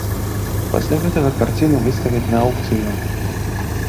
Пасля гэтага карціну выставяць на аўкцыён.